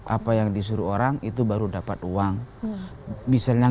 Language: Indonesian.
apa yang disuruh orang itu baru dapat uang misalnya